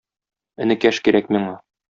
Энекәш кирәк миңа!